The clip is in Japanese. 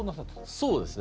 そうですね。